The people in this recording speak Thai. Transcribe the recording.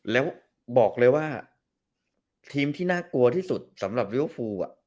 แล้วบอกเลยว่าทีมที่น่ากลัวที่สุดสำหรับลิเวอร์ฟู